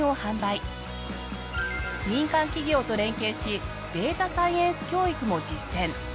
民間企業と連携しデータサイエンス教育も実践。